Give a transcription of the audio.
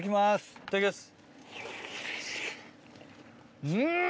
いただきます。